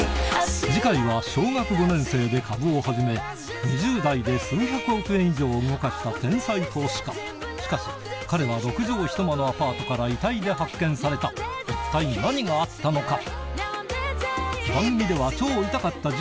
次回は小学５年生で株を始め２０代で数百億円以上を動かした天才投資家しかし彼は６畳ひと間のアパートから遺体で発見された一体何があったのか？